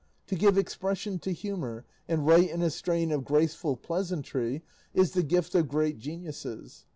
To give expression to humour, and write in a strain of graceful pleasantry, is the gift of great geniuses.